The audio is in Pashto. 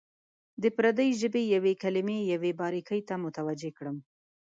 د پردۍ ژبې یوې کلمې یوې باریکۍ ته متوجه کړم.